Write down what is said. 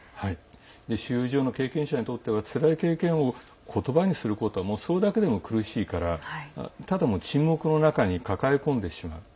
収容所の経験者にとってはつらい経験を言葉にすることはもうそれだけでも苦しいから、ただ沈黙の中に抱え込んでしまう。